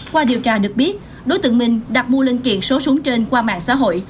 qua điều tra được biết đối tượng minh đặt mua linh kiện số súng trên qua mạng xã hội